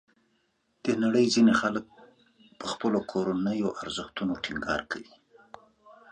د نړۍ ځینې خلک په خپلو کورنیو ارزښتونو ټینګار کوي.